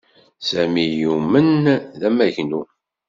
Sami yuman d amagnu